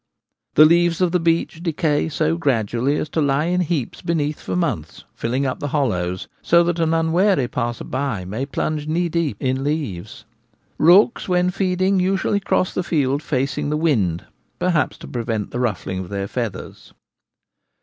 The leaves of the beech decay so gradually as to lie in heaps beneath for months, filling up the hollows, so that an un wary passer by may plunge knee deep in leaves. Rooks when feeding usually cross the field facing the wind, perhaps to prevent the ruffling of their feathers.